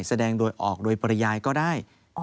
แสดงโดยออกโดยปริยายก็ได้